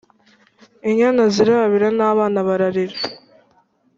Inyana zirabira n'abana bararira,